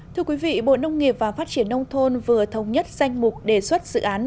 thưa quý vị bộ nông nghiệp và phát triển nông thôn vừa thống nhất danh mục đề xuất dự án